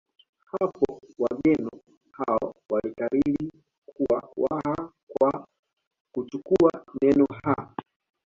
Hapo wageni hao walikariri kuwa Waha kwa kuchukua neno ha